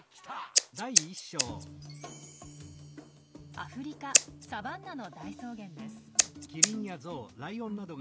アフリカサバンナの大草原です。